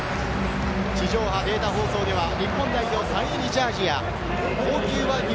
地上波データ放送では、日本代表サイン入りジャージーや高級和牛